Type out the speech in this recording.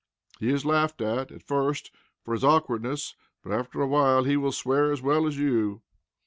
He is laughed at, at first, for his awkwardness, but after a while he will swear as well as you.